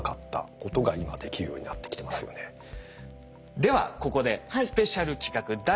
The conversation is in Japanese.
ではここでスペシャル企画第２弾。